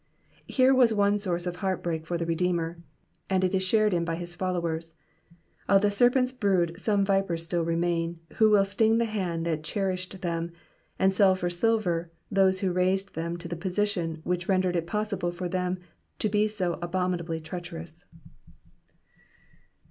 Here was one source of heart break for the Redeemer, and it is shared in by his followers. Of the ser pent's brood some vipers still remain, who will sting the hand that cherished them, and sell for silver those who raised them to the position which rendered it possible for them to be so abominably treacherous.